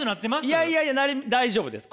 いやいやいや大丈夫です。